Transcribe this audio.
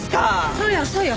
そうよそうよ。